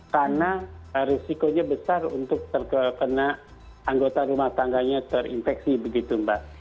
karena risikonya besar untuk terkena anggota rumah tangganya terinfeksi begitu mbak